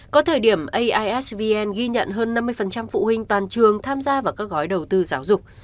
có thời điểm aisvn ghi nhận hơn năm mươi phụ huynh toàn trường tham gia vào các gói đầu tư giáo dục